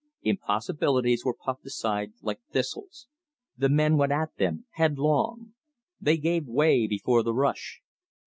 Impossibilities were puffed aside like thistles. The men went at them headlong. They gave way before the rush.